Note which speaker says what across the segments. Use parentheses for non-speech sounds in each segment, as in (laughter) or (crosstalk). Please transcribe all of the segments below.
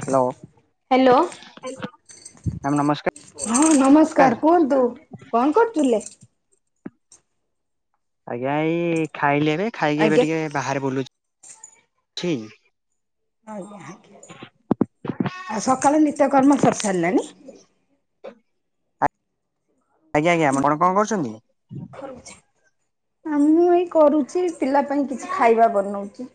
Speaker 1: Hello.
Speaker 2: Hello
Speaker 1: ma'am ନମସ୍କାର
Speaker 2: ହଁ ନମସ୍କାର କୁହନ୍ତୁ। କଣ କରୁଥିଲେ?
Speaker 1: ଆଜ୍ଞା ଏଇ ଖାଇଲି ଏବେ ଖାଇକି ଏବେ
Speaker 2: ଆଜ୍ଞା
Speaker 1: ଟିକେ ବାହାରେ ବୁଲୁ ଛି।
Speaker 2: ଆଜ୍ଞା ଆଜ୍ଞା ଆଉ ସକାଳେ ନିତ୍ୟ କର୍ମ କରି ସାରିଲେଣି?
Speaker 1: ଆଜ୍ଞା ଆଜ୍ଞା ଆପଣ କଣ କଣ କରୁଚନ୍ତି?
Speaker 2: ଆ ମୁଁ ଏଇ କରୁଚି ପିଲା ପାଇଁ କିଛି ଖାଇବା ବନଉଚି।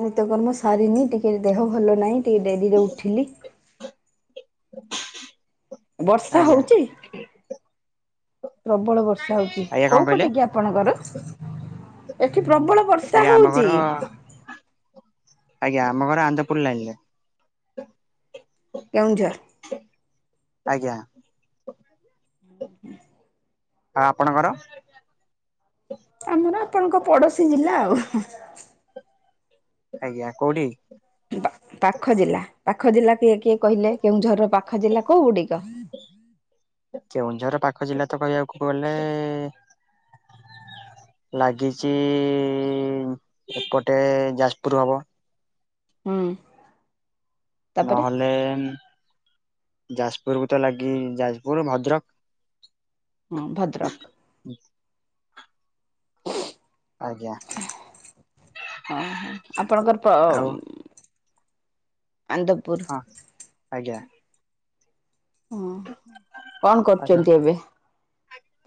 Speaker 2: ନିତ୍ଯକର୍ମ ସାରିନି। ଟିକେ ଦେହ ଭଲ ନାହିଁ ଟିକେ ଡେରିରେ ଉଠିଲି। ବର୍ଷା
Speaker 1: ଆଜ୍ଞା
Speaker 2: ହଉଚି। ପ୍ରବଳ ବର୍ଷା ହଉଚି
Speaker 1: ଆଜ୍ଞା କଣ
Speaker 2: କୋଉ
Speaker 1: କହିଲେ
Speaker 2: ପଟେ କି ଆପ ଆପଣଙ୍କର ଏଠି ପ୍ରବଳ ବର୍ଷା
Speaker 1: ଆଜ୍ଞା ଆମ ଘର
Speaker 2: ହଉଚି।
Speaker 1: ଆଜ୍ଞା ଆମ ଘର ଆନ୍ଦପୁର ଲାଇନ୍ ରେ।
Speaker 2: କେଉଁଝର।
Speaker 1: ଆଜ୍ଞା। ଆଉ ଆପଣଙ୍କ ଘର?
Speaker 2: ଆମର ଆପଣଙ୍କ ପଡୋଶୀ ଜିଲ୍ଲା ଆଉ।
Speaker 1: ଆଜ୍ଞା କୋଉଠି?
Speaker 2: ପା- ପାଖ ଜିଲ୍ଲା। ପାଖ ଜିଲ୍ଲା କିଏ କିଏ କହିଲେ? କେଉଁଝରର ପାଖ ଜିଲ୍ଲା କୋଉ ଗୁଡିକ?
Speaker 1: କେଉଁଝରର ପାଖ ଜିଲ୍ଲା ତ କହିବାକୁ ଗଲେ ଲାଗିଚି ଏପଟେ ଯାଜପୁର ହବ।
Speaker 2: ହୁଁ। ତାପରେ
Speaker 1: ନହେଲେ ଯାଜପୁର କୁ ତ ଲାଗି ଯାଜପୁର ଭଦ୍ରକ।
Speaker 2: ହଁ ଭଦ୍ରକ।
Speaker 1: ଆଜ୍ଞା ଆଜ୍ଞା।
Speaker 2: ଅ ହଁ ଆପଣଙ୍କର ତ
Speaker 1: ଆଉ
Speaker 2: ଆନନ୍ଦପୁର।
Speaker 1: ହଁ ଆଜ୍ଞା।
Speaker 2: ହଁ କଣ
Speaker 1: ଆଚ୍ଛା ଆଜ୍ଞା
Speaker 2: କରୁଛନ୍ତି ଏବେ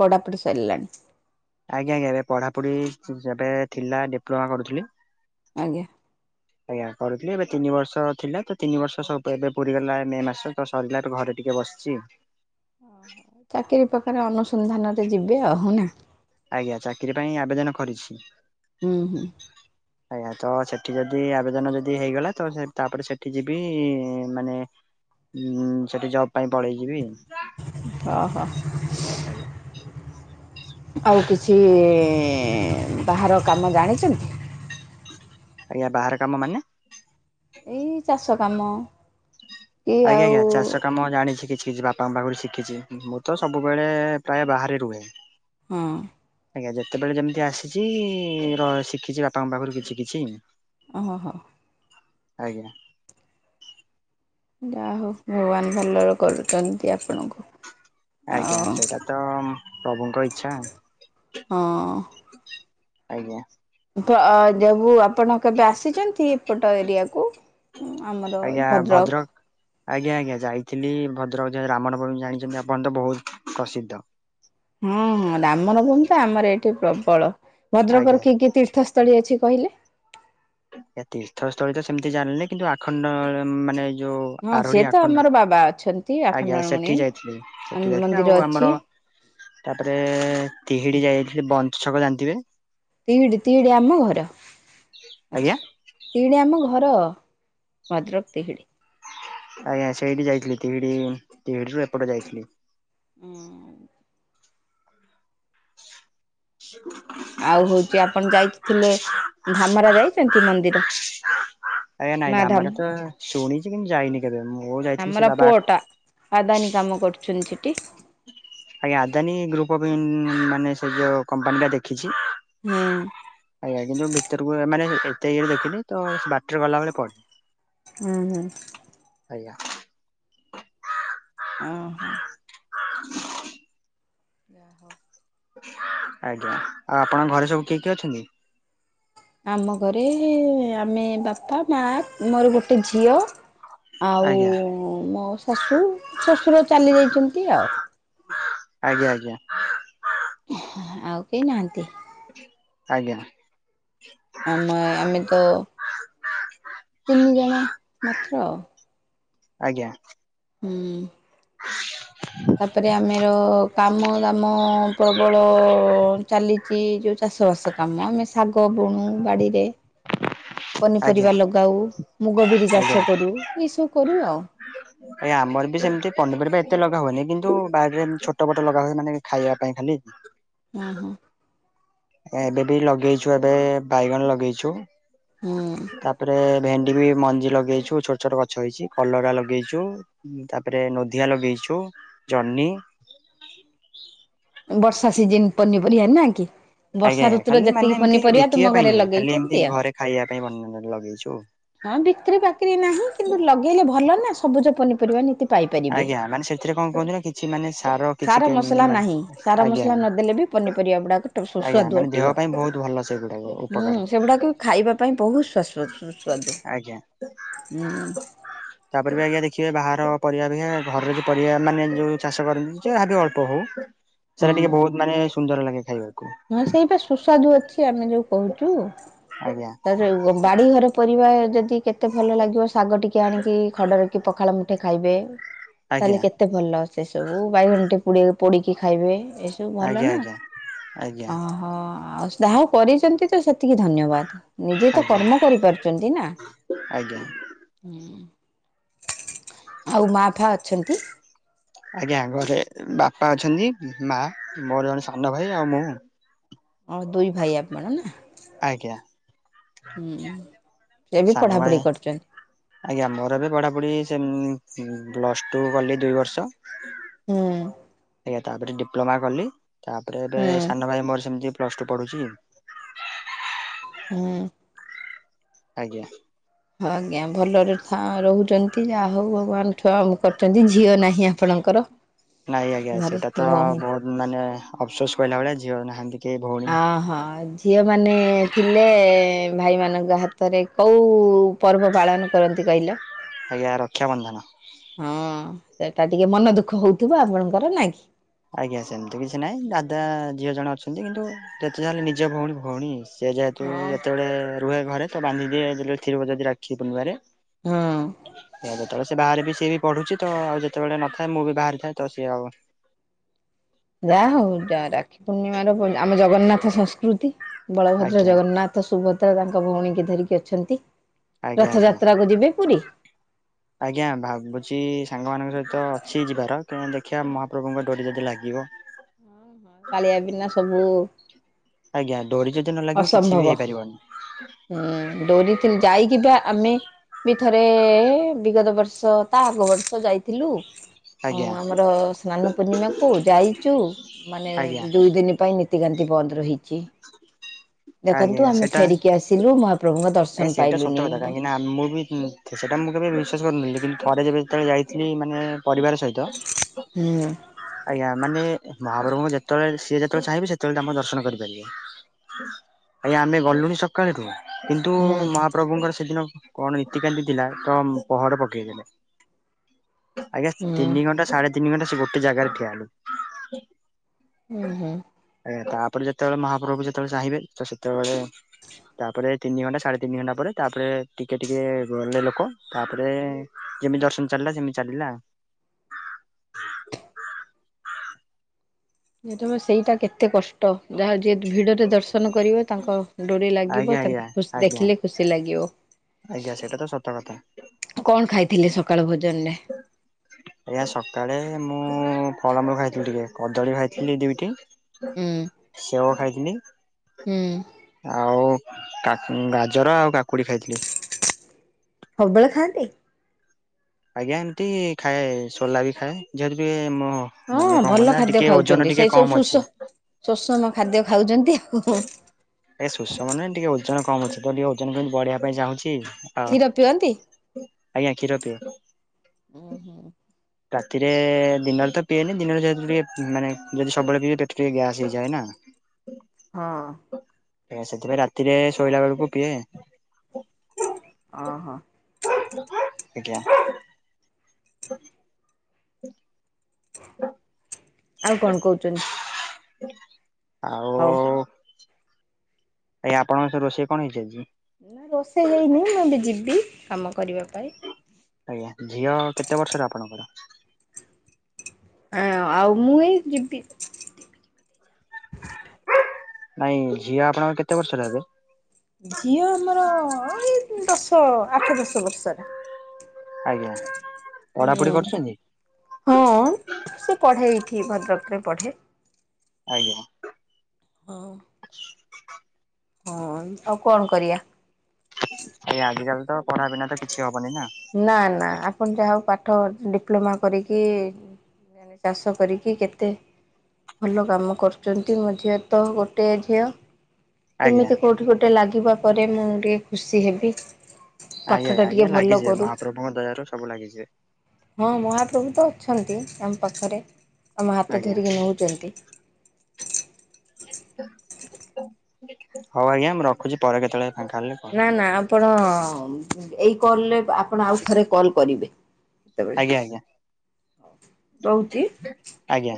Speaker 2: ପଢାପଢ଼ି ସାରିଲାଣି।
Speaker 1: ଆଜ୍ଞା ଆଜ୍ଞା ଏବେ ପଢାପଢି ଏବେ ଥିଲା ଡିପ୍ଲୋମା କରୁଥିଲି।
Speaker 2: ଆଜ୍ଞା।
Speaker 1: ଆଜ୍ଞା ପଢ଼ୁଥିଲି ଏବେ ତିନି ବର୍ଷ ଥିଲା ତ ତିନି ବର୍ଷ ସବୁ ଏବେ ପୁରୀଗଲା ମେ ମାସ। ସରିଲା ତ ଘରେ ଟିକେ ବସିଚି।
Speaker 2: ଚାକିରୀ ପକା ରେ ଅନୁସନ୍ଧାନରେ ଯିବେ ଆଉ ନା।
Speaker 1: ଆଜ୍ଞା ଚାକିରି ପାଇଁ ଆବେଦନ କରିଛି।
Speaker 2: ହୁଁ ହୁଁ।
Speaker 1: ଆଜ୍ଞା ତ ସେଠି ଯଦି ଆବେଦନ ଯଦି ହେଇଗଲା ତ ତାପରେ ସେଠି ଯିବି ମାନେ। ହୁଁ ସେଠି ଜବ୍ ପାଇଁ ପଳେଇ ଯିବି।
Speaker 2: ଅ ହଁ।
Speaker 1: ଆଜ୍ଞା।
Speaker 2: ଆଉ କିଛି ବାହାର କାମ ଜାଣିଛନ୍ତି?
Speaker 1: ଆଜ୍ଞା ବାହାର କାମ ମାନେ।
Speaker 2: ଏଇ ଚାଷ କାମ। କି
Speaker 1: ଆଜ୍ଞା
Speaker 2: ଆଉ
Speaker 1: ଆଜ୍ଞା ଚାଷ କାମ ଜାଣିଛି କିଛି କିଛି ବା ବାବାଙ୍କଠୁ ଶିଖିଚି। ମୁଁ ତ ସବୁବେଳେ ପ୍ରାୟ ବାହାରେ ରୁହେ।
Speaker 2: ହଁ।
Speaker 1: ଆଜ୍ଞା ଯେତେବେଳେ ଯେମିତି ଆସିଛି ର ଶିଖିଛି ବାପାଙ୍କ ପାଖରୁ କିଛି କିଛି।
Speaker 2: ଅ ହ-
Speaker 1: ଆଜ୍ଞା।
Speaker 2: ଯାହା ହଉ ଭଗବାନ ଭଲରେ କରୁଛନ୍ତି ଆପଣଙ୍କୁ।
Speaker 1: ଆଜ୍ଞା
Speaker 2: ଆଉ
Speaker 1: ସେଟା ତ ପ୍ରଭୁଙ୍କ ଇଚ୍ଛା।
Speaker 2: ହଁ
Speaker 1: ଆଜ୍ଞା।
Speaker 2: ଯଉ ଆପଣ କେବେ ଆସିଛନ୍ତି। ଏପଟ ଏରିଆକୁ ଆମର ଭଦ୍ରକ।
Speaker 1: ଆଜ୍ଞା ଆଜ୍ଞା ଯାଇଥିଲି ଭଦ୍ରକ ଯେ ରାମନବମୀ ଜାଣିଛନ୍ତି ଆପଣ ତ ବହୁତ ପ୍ରସିଦ୍ଧ।
Speaker 2: ହୁଁ ରାମନବମୀ ତ ଆମର ଏଠି ପ୍ରବଳ
Speaker 1: ଆଜ୍ଞା
Speaker 2: ଭଦ୍ରକର କି କି ତୀର୍ଥ ସ୍ଥଳୀ ଅଛି କହିଲେ?
Speaker 1: ଏ ତୀର୍ଥସ୍ଥଳୀ ତ ସେମିତି ଜାଣିନି କିନ୍ତୁ ଆଖଣ୍ଡମ ମାନେ ଯୋଉ
Speaker 2: ହଁ ସିଏ
Speaker 1: ଆରୋଡି
Speaker 2: ତ
Speaker 1: ଆଖଣ୍ଡା
Speaker 2: ଆମର ବାବା ଅଛନ୍ତି
Speaker 1: ଆଜ୍ଞା
Speaker 2: ଆଖଣ୍ଡଳମଣି
Speaker 1: ସେଠି ଯାଇଥିଲି ସେଠି ଯାଇଥିଲି
Speaker 2: ମନ୍ଦିର
Speaker 1: ଆଉ
Speaker 2: ଅଛି।
Speaker 1: ଆମର। ତାପରେ ତିହିଡି ଯାଇାଇଥିଲେ ବଂନ୍ତ ଛକ ଜାଣିଥିବେ।
Speaker 2: ତିଇଡି ତିଇଡି ଆମ ଘର
Speaker 1: ଆଜ୍ଞା
Speaker 2: ଅଛା ତିଇଡ଼ି ଆମ ଘର ଭଦ୍ରକ ତିହିଡ଼ି।
Speaker 1: ଆଜ୍ଞା ସେଇଠି ଯାଇଥିଲି ତିହିଡି ତିହିଡିରୁୁ ଏପଟେ ଯାଇଥିଲି।
Speaker 2: ହୁଁ।
Speaker 1: (inaudible)
Speaker 2: ଆଉ ହଉଛି ଆପଣ ଯାଇଥିଲେ ଧାମରା ଯାଇଛନ୍ତି ମନ୍ଦିର
Speaker 1: ଆଜ୍ଞା ନାଇଁ
Speaker 2: ମା ଧାମ
Speaker 1: ଧାମେରା ତ ଶୁଣିଛି କିନ୍ତୁ ଯାଇନି କେବେ ମୁଁ ଯାଇଥିଲି
Speaker 2: ଧାମରା
Speaker 1: ସେ ବାବା ଆଖ
Speaker 2: ପୁଅଟା ଆଦାନୀ କାମ କରୁଛନ୍ତି ସେଠି
Speaker 1: ଆଜ୍ଞା ଆଦାନୀ ଗ୍ରୁପ୍ ଅପ ମାନେ ସେ ଯୋଉ କମ୍ପାନୀ ଟା ଦେଖିଛି।
Speaker 2: ହୁଁ
Speaker 1: ଆଜ୍ଞା କିନ୍ତୁ ଭିତରକୁ ମାନେ ଏତେ ଇରେ ଦେଖିନି ତ ବାଟରେ ଗଲାବେଳେ ପଡ଼େ
Speaker 2: ହୁଁ ହୁଁ
Speaker 1: ଆଜ୍ଞା
Speaker 2: ଓହୋ
Speaker 1: (unintelligible)
Speaker 2: ଯା ହଉ।
Speaker 1: ଆଜ୍ଞା ଆଉ ଆପଣଙ୍କ ଘରେ ସବୁ କିଏ କିଏ ଅଛନ୍ତି?
Speaker 2: ଆମ ଘରେ ଆମେ ବାପା ମା ମୋର ଗୋଟେ ଝିଅ ଆଉ
Speaker 1: ଆଜ୍ଞା
Speaker 2: ମୋ ଶାଶୁ ଶଶୁର ଚାଲି ଯାଇଛନ୍ତି ଆଉ।
Speaker 1: ଆଜ୍ଞା ଆଜ୍ଞା
Speaker 2: ଆଉ କେହି ନାହାନ୍ତି।
Speaker 1: ଆଜ୍ଞା
Speaker 2: ଆମ ଆମେ ତ ତିନି ଜଣ ମାତ୍ର ଆଉ।
Speaker 1: ଆଜ୍ଞା
Speaker 2: ହୁଁ ତାପରେ ଆମେର କାମ ଦାମ ପ୍ରବଳ ଚାଲି ଏଇ ଯୋଉ ଚାଷବାସ କାମ ଆମେ ଶାଗ ବୁଣୁ ବାଡ଼ିରେ
Speaker 1: ଆଜ୍ଞା
Speaker 2: ପନିପରିବା ଲଗାଉ ମୁଗ ବିରି
Speaker 1: ଆଜ୍ଞା ଆଜ୍ଞା
Speaker 2: ଚାଷ କରୁ ଏଇସବୁ କରୁ ଆଉ।
Speaker 1: ଆଜ୍ଞା ଆମର ବି ସେମିତି ପନିପରିବା ଏତେ ଲଗା ହୁଏନି, କିନ୍ତୁ ବାଡ଼ିରେ ଛୋଟ ବଟ ଲଗା ହୁଏ ମାନେ ଖାଇବା ପାଇଁ ଖାଲି
Speaker 2: ହୁଁ ହୁଁ
Speaker 1: ଏବେ ଟିକେ ଲଗେଇଛୁ ଏବେ ବାଇଗଣ ଲଗେଇଛୁ
Speaker 2: ହୁଁ
Speaker 1: ତାପରେ ଭେଣ୍ଡି ବି ମଞ୍ଜି ଲଗେଇଛୁ ଛୋଟ ଛୋଟ ଗଛ ହେଇଛି କଲରା ଲଗେଇଛୁ। ତାପରେ ନୋଧିଆ ଲଗେଇଛୁ। ଜହ୍ନି
Speaker 2: ବର୍ଷା ସିଜନ୍ ପନିପରିବା ନା କି
Speaker 1: ଆଜ୍ଞା
Speaker 2: ବର୍ଷା
Speaker 1: ଆଜ୍ଞା
Speaker 2: ଋତୁରେ
Speaker 1: ଖାଲି ମାନେ
Speaker 2: ଯେତିକି
Speaker 1: ଏମିତି
Speaker 2: ପନିପରିବା
Speaker 1: ବିକିବା
Speaker 2: ତୁମ
Speaker 1: ପାଇଁ
Speaker 2: ଘରେ
Speaker 1: ନୁହେଁ ଖାଲି ଏମିତି
Speaker 2: ଲଗେଇଛନ୍ତି।
Speaker 1: ଘରେ ଖାଇବା ପାଇଁ (unintelligible) ଲଗେଇଚୁ।
Speaker 2: ହଁ ବିକ୍ରି ପାକ୍ରି ନାହିଁ କିନ୍ତୁ ଲଗେଇଲେ ଭଲ ନା ସବୁଜ ପନିପରିବା ନିତି ପାଇ ପାରିବେ
Speaker 1: ଆଜ୍ଞା ମାନେ ସେଥିରେ କଣ କୁହନ୍ତି ନା କିଛି ମାନେ କିଛି
Speaker 2: ସାର ମସଲା ନାହିଁ, ସାର
Speaker 1: ଆଜ୍ଞା
Speaker 2: ମସଲା ନ ଦେଲେ ବି ପନିପରିବା ଗୁଡ଼ାକ
Speaker 1: ଆଜ୍ଞା
Speaker 2: ସୁସ୍ୱାଦୁ
Speaker 1: ମାନେ ଦେହ
Speaker 2: ଅଟିବ
Speaker 1: ପାଇଁ ବହୁତ ଭଲ ସେଗୁଡାକ ଉପକାର
Speaker 2: ହୁଁ ସେଗୁଡାକ ଖାଇବା ପାଇଁ ବହୁତ ସୁ ସ୍ୱା ସୁ
Speaker 1: ଆଜ୍ଞା ତାପରେ ବି ଆଜ୍ଞା ଦେଖିବେ ବାହାର ପରିବା ବି ଘରରେ ଯୋଉ ପରିବା ମାନେ ଯୋଉ ଚାଷ କରନ୍ତି ଯାହା ବି ଅଳ୍ପ ହଉ ସେଟା ଟିକେ ବହୁତ ମାନେ ସୁନ୍ଦର ଲାଗେ ଖାଇବାକୁ।
Speaker 2: ହଁ ସେଇଟା ସୁସ୍ୱାଦ ଅଛି। ଆମେ ଯୋଉ କହୁଛୁ
Speaker 1: ଆଜ୍ଞା
Speaker 2: ବାଡ଼ି ଘର ପରିବା ଯଦି କେତେ ଭଲ ଲାଗିବ ଶାଗ ଟିକେ ଆଣିକି ଖଡ଼ ରଖି ପଖାଳ ମୁ ମୁଠେ ଖାଇବେ ତାହେଲେ
Speaker 1: ଆଜ୍ଞା
Speaker 2: କେତେ ଭଲ ସେ ସବୁ ବାଇଗଣ ଟେ ପୁଡ଼ି ପୋଡ଼ିକି ଖାଇବେ, ଏ ସବୁ ଭଲ
Speaker 1: ଆଜ୍ଞା
Speaker 2: ନା
Speaker 1: ଆଜ୍ଞା। ଆଜ୍ଞା
Speaker 2: ଓହୋ ଆଉ ଯାହା କରିଛନ୍ତି ତ ସେତିକି ଧନ୍ୟବାଦ। ନିଜେ ତ
Speaker 1: ଆଜ୍ଞା
Speaker 2: କର୍ମ କରିପାରୁଚନ୍ତି ନା
Speaker 1: ଆଜ୍ଞା
Speaker 2: ହଁ ଆଉ ମା ଫା ଅଛନ୍ତି।
Speaker 1: ଆଜ୍ଞା ଘରେ ବାପା ଅଛନ୍ତି। ମା ମୋର ସାନଭାଇ ଆଉ ମୁଁ
Speaker 2: ଓହୋ ଦୁଇ ଭାଇ ଆପଣ ନା?
Speaker 1: ଆଜ୍ଞା
Speaker 2: ହୁଁ ସେ ବି
Speaker 1: ସାନ ଭାଇ
Speaker 2: ପଢ଼ାପଢ଼ି କରୁଛନ୍ତି।
Speaker 1: ଆଜ୍ଞା ମୋର ଏବେ ପଢାପଢି ସେ ପ୍ଲସ ଟୁ କଲି ଦୁଇ ବର୍ଷ
Speaker 2: ହୁଁ
Speaker 1: ଆଜ୍ଞା ତାପରେ ଡିପ୍ଲୋମା କଲି, ତାପରେ
Speaker 2: ହୁଁ
Speaker 1: ଗୋଟେ ସାନଭାଇ ମୋର ସେମିତି ପ୍ଲସ ଟୁ ପଢୁଛି।
Speaker 2: ହୁଁ
Speaker 1: ଆଜ୍ଞା
Speaker 2: ହ (unintelligible) ଆଜ୍ଞା ଭଲରେ ରହୁଛନ୍ତି ଯାହା ହଉ ଭଗବାନ ଛୁଆ କରୁଛନ୍ତି ଝିଅ ନାହିଁ ଆପଣଙ୍କର
Speaker 1: ନାଇଁ ଆଜ୍ଞା
Speaker 2: ଘରେ
Speaker 1: ସେଇଟା ତ
Speaker 2: ଭଉଣୀ
Speaker 1: ବହୁତ ମାନେ ଅଫସୋସ କଇଲା ବଳିଆ ଝିଅ ନାହାନ୍ତି କେହି ଭଉଣୀ
Speaker 2: ଆ ହଁ ଝି ଝିଅମାନେ ଥିଲେ ଭାଇମାନଙ୍କ ହାତରେ କୋଉ ପର୍ବ ପାଳନ କରନ୍ତି କଇଲ
Speaker 1: ଆଜ୍ଞା ରକ୍ଷା ବନ୍ଧନ
Speaker 2: ହଁ ସେଟା ଟିକେ ମନ ଦୁଃଖ ହଉଥିବ ଆପଣଙ୍କର ନାଇଁ କି
Speaker 1: ଆଜ୍ଞା ସେମିତି କିଛି ନାହିଁ ଦାଦା ଝିଅ ଜଣେ ଅଛନ୍ତି କିନ୍ତୁ ଯେତେ ଯା ହେଲେ ନିଜ ଭଉଣୀ ଭଉଣୀ ସେ ଯେହେତୁ
Speaker 2: ହଁ।
Speaker 1: ଯେତେବେଳେ ରୁହେ ଘରେ ତ ବାନ୍ଧି ଦିଏ ଥିବ ଯଦି ରାକ୍ଷୀ ପୂର୍ଣ୍ଣିମରେ
Speaker 2: ହଁ
Speaker 1: ସେ ଯେତେବେଳେ ବାହାରେ ବି ସେ ପଢ଼ୁଡ଼ି ତ ଆଉ ଯେତେବେଳେ ନଥାଏ ମୁଁ ବି ବାହାରିଥାଏ ତ ସିଏ ଆଉ
Speaker 2: ଯାହା ହଉ ଯା ରାକ୍ଷୀ ପୂର୍ଣ୍ଣିମାର ଆମ ଜଗନ୍ନାଥ ସଂସ୍କୃତି ବଳଭଦ୍ର
Speaker 1: ଆଜ୍ଞା
Speaker 2: ଜଗନ୍ନାଥ ତ ସୁଭଦ୍ରା ତାଙ୍କ ଭଉଣୀକୁ ଧରିକି ଅଛନ୍ତି
Speaker 1: ଆଜ୍ଞା ଆଜ୍ଞା।
Speaker 2: ରଥଯାତ୍ରାକୁ ଯିବେ ପୁରୀ?
Speaker 1: ଆଜ୍ଞା ଭାବୁଛି ସାଙ୍ଗମାନଙ୍କ ସହିତ ଅଛି ଯିବାରୁ ଦେଖିବା ମହାପ୍ରଭୁଙ୍କ ଡୋରି ଯଦି ଲାଗିବ
Speaker 2: ହଁ ହଁ କାଳିଆ ବିନା ସବୁ
Speaker 1: ଆଜ୍ଞା ଡ଼ୋରି ଯଦି ନ ଲାଗିବ କିଛି
Speaker 2: ଅସମ୍ଭବ
Speaker 1: ବି ହେଇପାରିବନି
Speaker 2: ହୁଁ ଡୋରିଥିଲ ଯାଇକି ବା ଆମେ ବି ଥରେ ବିଗତ ବର୍ଷ ତା ଆଗ ବର୍ଷ ଯାଇଥିଲୁ ଅ
Speaker 1: ଆଜ୍ଞା
Speaker 2: ଆମର ସ୍ନାନ ପୂର୍ଣ୍ଣିମାକୁୁ ଯାଇଚୁ ମାନେ
Speaker 1: ଆଜ୍ଞା
Speaker 2: ଦୁଇ ଦିନ ପାଇଁ ନି ରାତିକାନ୍ତି ବନ୍ଦ ରହିଚି ଦେଖନ୍ତୁ
Speaker 1: ଆଜ୍ଞା
Speaker 2: ଆମେ
Speaker 1: ସେଇଟା
Speaker 2: ଫେରିକି ଆସିଲୁ ମହାପ୍ରଭୁଙ୍କ
Speaker 1: ଆଜ୍ଞା
Speaker 2: ଦର୍ଶନ
Speaker 1: ସେଇଟା ସତ
Speaker 2: ପାଇଲୁନି
Speaker 1: କଥା କାହିଁକି ନା ମୁଁ ବି ସେଟା ମୁଁ କେବେ ବିଶ୍ୱାସ କରୁନି କିନ୍ତୁ ଥରେ ଯେବେ ଯେତେବେଳେ ଯାଇଥିଲି ମାନେ ପରିବାର ସହିତ
Speaker 2: ହୁଁ।
Speaker 1: ଆଜ୍ଞା ମାନେ ମହାପ୍ରଭୁଙ୍କୁ ଯେତେବେଳେ ସିଏ ଯେତେବେଳେ ଚାହିଁବେି ସେତେବେଳେ ତମର ଦର୍ଶନ କରିପାରିବେ ଆଜ୍ଞା ଆମେ ଗଲୁନି ସକାଳଠୁ କିନ୍ତୁ
Speaker 2: ହୁଁ
Speaker 1: ମହାପ୍ରଭୁଙ୍କର ସେଦିନ କଣ ରୀତିକାନ୍ତି ଥିଲା ତ ପହର ପକେଇଦେଲେ ଆଜ୍ଞା
Speaker 2: ହୁଁ
Speaker 1: ତିନି ଘଣ୍ଟା ସାଢ଼େ ତିନି ଘଣ୍ଟା ସେ ଗୋଟେ ଜାଗାରେ ଠୀଆହେଲୁ
Speaker 2: ହୁଁ ହୁଁ।
Speaker 1: ଆଜ୍ଞା ତାପରେ ଯେତେବେଳେ ମହାପ୍ରଭୁ ଯେତେବେଳେ ଚାହିଁବେ ତ ସେତେବେଳେ ତାପରେ ତିନି ଘଣ୍ଟା ସାଡ଼େ ତିନି ଘଣ୍ଟା ପରେ ତାପରେ ଟିକେ ଟିକେ ଗଡିଲେ ଲୋକ ତାପରେ ଯେମିତି ଦର୍ଶନ ଚାଲିଲା ସେମିତି ଚାଲିଲା
Speaker 2: ଯେତେବେଳେ ସେଇଟା କେତେ କଷ୍ଟ ଟ ଯାହା ଯିଏ ଭିଡ଼ରେ ଦର୍ଶନ କରିବ ତାଙ୍କ ଡୋରି
Speaker 1: ଆଜ୍ଞା
Speaker 2: ଲାଗିବ
Speaker 1: ଆଜ୍ଞା
Speaker 2: ତାଙ୍କୁୁ
Speaker 1: ଆଜ୍ଞା
Speaker 2: ଦେଖିଲେ ଖୁସି ଲାଗିବ
Speaker 1: ଆଜ୍ଞା ସେଇଟା ତ ସତ କଥା
Speaker 2: କଣ ଖାଇଥିଲେ ସକାଳ ଭୋଜନରେ
Speaker 1: ଆଜ୍ଞା ସକାଳେ ମୁଁ ଫଳମୂଳ ଖାଇଥିଲି ଟିକେ କଦଳୀ ଖାଇଥିଲି ଦୁଇଟି
Speaker 2: ହୁଁ
Speaker 1: ସେଓ ଖାଇଥିଲି
Speaker 2: ହୁଁ।
Speaker 1: ଆଉ ଗାଜର ଆଉ କାକୁଡି ଖାଇଥିଲି
Speaker 2: ସବୁବେଳେ ଖାଆନ୍ତି
Speaker 1: ଆଜ୍ଞା ଏମିତି ଖାଏ ସୋଲା ବି ଖାଏ ଯେହେତୁ ଟିକେ ମୁଁ
Speaker 2: ହଁ ଭଲ ଖାଦ୍ୟ ଖାଉଛନ୍ତି ସେଇ ସବୁ
Speaker 1: ଅଛି।
Speaker 2: ଶୁଷ ଶୋଷମ ଖାଦ୍ୟ ଖାଉଛନ୍ତି ଆଉ
Speaker 1: ଏ ସୁଷମ ନୁହେଁ, ଟିକେ ଓଜନ କମ ଅଛି ତ ଟିକେ ଓଜନ ବଢିବା ପାଇଁ ଚାହୁଁଛି ଆଉ
Speaker 2: କ୍ଷୀର ପିଅନ୍ତି?
Speaker 1: ଆଜ୍ଞା କ୍ଷୀର ପିଏ।
Speaker 2: ଓ ହୋ।
Speaker 1: ରାତିରେ ଦିନରେ ତ ପିଇଏନି। ଦିନରେ ଯଦି ଟିକେ ମାନେ ଯଦି ସବୁବେଳେ ପିଇେ ପେଟରେ ଟିକେ ଗ୍ୟାସ୍ ହେଇଯାଏ ନା।
Speaker 2: ହଁ।
Speaker 1: ଆଜ୍ଞା। ସେଥିପାଇଁ ରାତିରେ ଶୋଇଲା ବେଳକୁ ପିଏ।
Speaker 2: ଓହୋ।
Speaker 1: ଆଜ୍ଞା। (inaudible)
Speaker 2: ଆଉ କଣ କହୁଛନ୍ତି?
Speaker 1: ଆଉ
Speaker 2: ହଉ।
Speaker 1: ଆଜ୍ଞା ଆପଣଙ୍କ ସବୁ ରୋଷେଇ କଣ ହେଇଛି ଆଜି?
Speaker 2: ନା ରୋଷେଇ ହେଇନି। ମୁଁ ଏବେ ଯିବି କାମ କରିବା ପାଇଁ।
Speaker 1: ଆଜ୍ଞା। ଝିଅ କେତେ ବର୍ଷର ଆପଣଙ୍କର?
Speaker 2: ଆଁ ଆଉ ମୁଁ ଏଇ ଯିବି।
Speaker 1: ନାଇଁ ଝିଅ ଆପଣଙ୍କର କେତେ ବର୍ଷର ହେବେ?
Speaker 2: ଝିଅ ଆମର ଏଇ ଦଶ, ଆଠ, ଦଶ ବର୍ଷର।
Speaker 1: ଆଜ୍ଞା
Speaker 2: ହୁଁ।
Speaker 1: ପଢାପଢି କରୁଛନ୍ତି?
Speaker 2: ହଁ, ସେ ପଢ଼େ ଏଇଠି ଭଦ୍ରକରେ ପଢ଼େ।
Speaker 1: ଆଜ୍ଞା।
Speaker 2: ହଉ।
Speaker 1: (inaudible)
Speaker 2: ହଁ, ଆଉ କଣ କରିବା!
Speaker 1: ଆଜିକାଲି ତ ପଢା ବିନା ତ କିଛି ହବନି ନା।
Speaker 2: ନା, ନା। ଆପଣ ଯାହା ହଉ ପାଠ ଡିପ୍ଲୋମା କରିକି ଚାଷ କରିକି କେତେ ଭଲ କାମ କରୁଛନ୍ତି, ମୋ ଝିଅ ତ ଗୋଟଏ ଝିଅ।
Speaker 1: ଆଜ୍ଞା।
Speaker 2: କେମିତି କୋଉଠି ଗୋଟେ ଲାଗିବା ପରେ ମୁଁ ଟିକେ ଖୁସି ହେବି।
Speaker 1: ଆଜ୍ଞା।
Speaker 2: ପାଠଟା ଟିକେ
Speaker 1: ଆଜ୍ଞା।
Speaker 2: ଭଲ
Speaker 1: ଲାଗିଯିବେ
Speaker 2: କରୁ
Speaker 1: ମହାପ୍ରଭୁଙ୍କ ଦୟାରୁ ସବୁ ଲାଗିଯିବେ।
Speaker 2: ହଁ, ମହାପ୍ରଭୁ ତ ଅଛନ୍ତି, ଆମ ପାଖରେ ଆମ ହାତ
Speaker 1: ଆଜ୍ଞା।
Speaker 2: ଧରିକି ନେଉଛନ୍ତି।
Speaker 1: ହଉ ଆଜ୍ଞା ମୁଁ ରଖୁଛି। ପରେ କେତେବେଳେ ଫାଙ୍କା ହେଲେ କଲ୍
Speaker 2: ନା ନା ଆପଣ ଏଇ କଲ୍ ରେ ଆ ଆପଣ ଆଉ ଥରେ କଲ୍ କରିବେ କେତେବେଳେ
Speaker 1: ଆଜ୍ଞା ଆଜ୍ଞା
Speaker 2: ରହୁଛି?
Speaker 1: ଆଜ୍ଞା।